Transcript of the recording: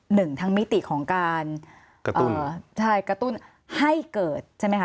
หนึ่งทั้งมิติของการกระตุ้นให้เกิดใช่ไหมคะ